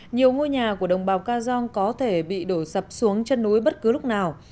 nhiều ngôi nhà của đồng bào ca giong có thể bị đổ sập xuống chân núi bất cứ lúc nào